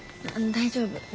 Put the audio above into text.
大丈夫。